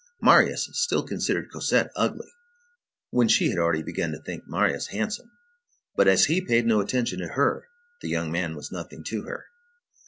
Marius still considered Cosette ugly, when she had already begun to think Marius handsome. But as he paid no attention to her, the young man was nothing to her.